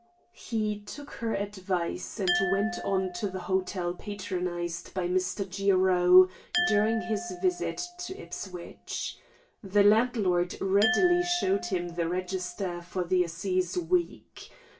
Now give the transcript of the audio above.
He took her advice, and went on to the hotel patronised by Mr. Jiro during his visit to Ipswich. The landlord readily showed him the register for the Assize week.